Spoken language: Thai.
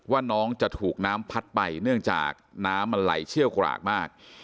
ว่าน้องจะถูกน้ำพัดไปเนื่องจากน้ำมันไหลเชี่ยวกรากมาก